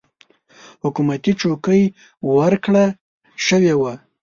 حکومتي چوکۍ ورکړه شوې وه.